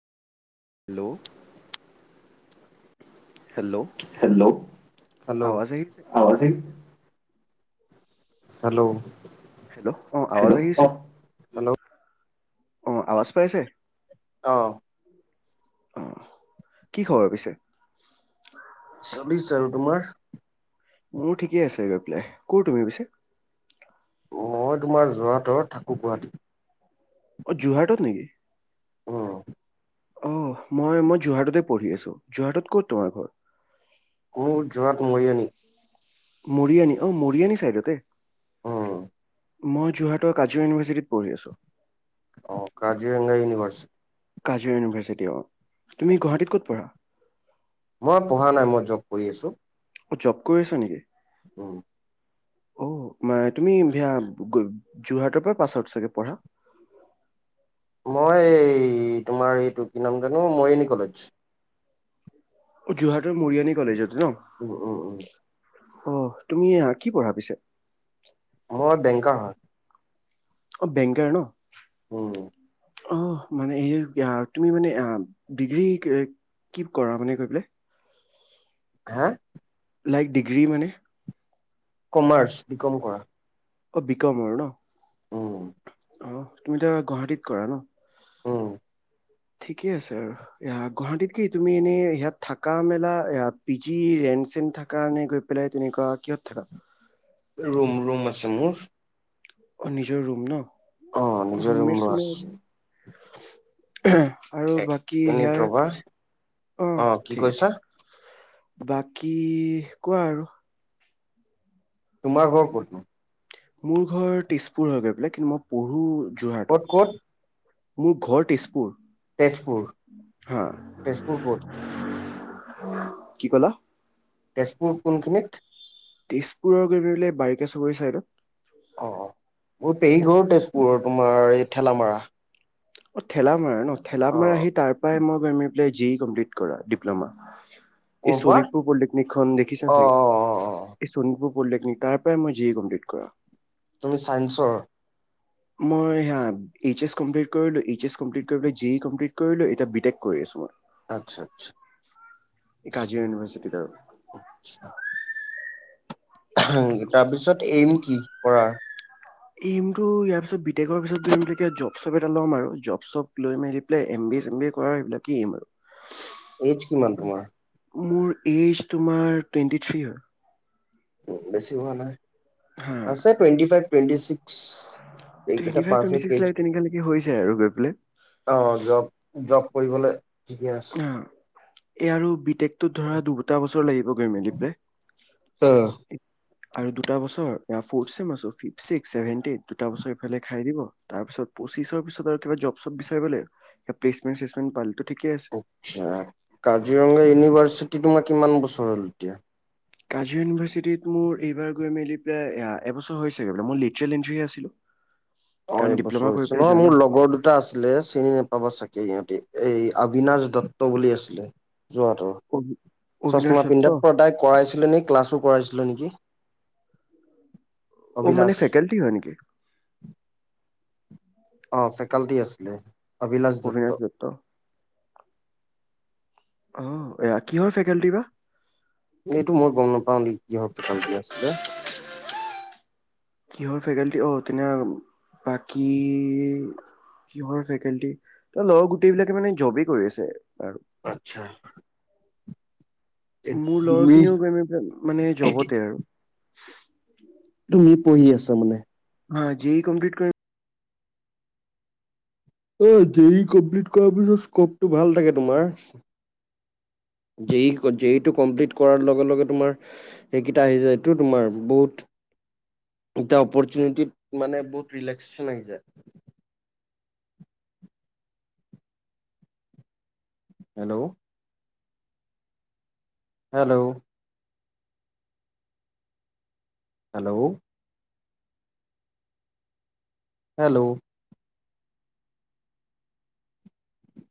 Hello. Hello hello hello আৱাজ আহিছে? Hello hello অ আৱাজ হেল্ল' অ আহিছে। হেল্ল' অ আৱাজ পাইছে। অ'। অ', কি খবৰ পিছে? চলিছে আৰু তোমাৰ? মোৰ ঠিকে আছে গৈ পেলাই ক তুমি পিছে মই তোমাৰ যোৰহাটৰ থাকোঁ গুৱাহাটীত। অ', যোৰহাটত নেকি? উম [inaudible] অ', মই মই যোৰহাটতে পঢ়ি আছো যোৰহাটত ক'ত তোমাৰ ঘৰ? কোৰ যোৱাত মৰি আনি মৰিয়ানী অ', মৰিয়ানী চাইডতে। উম মই যোৰহাটৰ কাজিৰঙা ইউনিভাৰ্চিটিত পঢ়ি আছোঁ। অ', কাজিৰঙা ইউনিভাৰ্চ কাজিৰ ইউনিভাৰ্চিটি অ'। তুমি গুৱাহাটীত ক'ত পঢ়া মই পঢ়া নাই মই জব কৰি আছো। [inaudible] অ', জব কৰি আছা নেকি। উম। অ', মা তুমি সেয়া যোৰহাটৰ পৰা পাছআউট চাগে পঢ়া। মই এই তোমাৰ এইটো কি নাম জানো মৰিয়নী কলেজ। যোৰহাটৰ মৰিয়নি কলেজত। ন উম, উম, উম। অ', তুমি কি কৰা পিছে? মই বেংকাৰ হয়। অ', বেংকাৰ ন'। উম। অ', মানে সে সেয়া তুমি মানে, বিক্ৰী কি কৰা মানে গৈ পেলে? [unintelligible] লাইক ডিগ্ৰী মানে। কমাৰ্চ, বিকম কৰা। অ', বিকমৰ ন'। উম অ', তুমিটো গুৱাহাটীত কৰা ন'। অ'। ঠিকে আছে আৰু, গুৱাহাটীত কি তুমি এনে ইয়াত থকা মেলা পি জি ৰেন চন থাকানে গৈ পেলাই তেনেকুৱা কিহত থাকা ৰুম, ৰুম আছ [unintelligible] অ', নিজৰ ৰুম ন'। অ', নিজৰ ৰুম ৰুমমেট লৈ চুমমেট আছে আছো। [inaudible] আৰু বাকী [unintelligible] মিনিট ৰবা অ', কি ঠিক আছে। কৈছা বাকী কোৱা আৰু। তোমাৰ ঘৰ ক'তনো? মোৰ ঘৰ তেজপুৰ হয় গৈ পলে, কিন্তু মই পঢ়ো যোৰহাটত ক'ত ক'ত? মোৰ ঘৰ তেজপুৰ। তেজপুৰ, হা তেজপুৰ ক'ত? কি ক'লা? তেজপুৰ কোনখিনিত? তেজপুৰৰ গৈ বাৰিকা চগৰী ছাইডত। অ, অ, মোৰ তেজপুৰৰ তোমাৰ এই ঠেলামাৰা। অ, ঠেলা মৰা ন। ঠেলা অ মাৰা, সেই তাৰ পৰাই মই গৈম জি ইি কমপ্লিট কৰা ডিপ্লমা। ক'ৰ এই পৰা শোণিতপুৰ পলিটেকনিক খন দেখিছা অ অ চাগে। অ অ এই শোণিতপুৰ পলিটেকনিক, তাৰ পৰাই মই জি ইি কমপ্লিট' কৰা। তুমি চাইন্সৰ। মই, এইয়া এইচ এস কমপ্লিট কৰিলো, এইচ এছ কমপ্লিট কৰি পেলে, জি কমপ্লিট কৰিলো এতিয়া বিটেক কৰি আছো মই। আচ্ছা আচ্ছা এই কাজিয়া ইউনিভাৰ্চিটিত আৰু। তাৰপিছত এইম কি? কৰাৰ। এইমটো ইয়াৰ পিছ বিটেকৰ পিছত জব শপ এটা ল'ম আৰু জব চপ লৈ মেলি পেলাই এম বিয়ে চিয়ে কৰাৰ এইবিলাকি আৰু। এইজ কিমান তোমাৰ? মোৰ এইজ তোমাৰ টুৱেণ্টি থ্ৰী হয়। উ বেছি হোৱা নাই। হা আছে twenty five twenty six twenty য়েইগিতা [unintelligible] five twenty six lakh তেনেকালৈকে হৈ যায় আৰু গৈ পেলাই অ জব কৰিবলৈ। ঠিকে আছে। এ আৰু প্ৰেকতটোত ধৰা দু দুটা বছৰ লাগিব গৈ মেলি পেলাই। আৰু দুটা বছৰ ফৰত্ চেম তাৰ ফিফথ চিক্ত চেভেন এইত দোতা বছৰ ইফালে খাই দিব তাৰ পিচত পঁচিছৰ পিছত আৰু কিবা জব চব বিচাৰিব ল প্লেচমেন্ট চেছমেন্ট পালে তো ঠিকে ছে। আচ্ছা কাজিৰঙা ইউনিভাৰ্চিটি তোমাৰ কিমান বছৰ হল এতিয়া? কাজিৰা ইউনিভাৰ্চিটিত মোৰ এইবাৰ গৈ মেলি পেলাই এবছৰ হৈছেগ মই লিটেল এট [unintelligible] আছিলো। অ কাৰণ ডিপ্ল'মা এবছৰ কৰি হৈছে পেলাই নহয় যোৱা না মোৰ লগৰ দুটা আছিলে চিনি নাপাবা চাগে ইয়াত। এই অবিনাশ দত্ত বুলি আছিলে। যোৱাাতৰ অভি- অভিনাশ চশমা দত্ত পিণ্ডা প্ৰতাই কৰাইছিলে নে ক্লাছো কৰাইছিল [unintelligible] নেকি। অ', মানে অভিলাষ ফেকাল্টি হয়, নেকি? অ', ফেকাল্টি আছিলে। অভিলাচ দত্ত। অ', এয়া, কিহৰ ফেকাল্টি বা? এইটো মই গম নাপাওঁ দেই, কিহৰ ফেকাল্টি আছিলে। হৰ ফেকাল্টি অ', তেনে বাকী কিহৰ ফেকাল্টি লগৰ গোটেই বিলাকে মানে জবেই কৰি আছে আৰ আতচ্ছা। মোৰ লগৰ খিনিও ম-ম-মানে জবতে আৰু। তুমি পঢ়ি আছা মানে? হয়, জি ই কমপ্লিট কৰি অ', জে ই‌ কমপ্লিট কৰাৰ পিছত স্কপটো ভাল থাকে তোমাৰ। জে ই, জে ই টো, কমপ্লিট কৰাৰ লগে, লগে তোমাৰ হেইকেইটা আহি যায়টো তোমাৰ বহুত তা, আপৌৰসুনেটিত মানে বহুত ৰেলেক্সচন আহি যায়। Hello hello hello hello